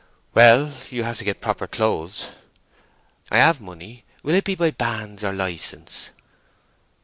Well—you have to get proper clothes." "I have money. Will it be by banns or license?"